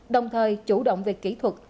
đồng thời chủ động về kỹ thuật